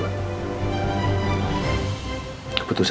keputusan anda pada anda